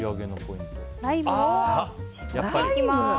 ライムを搾っていきます。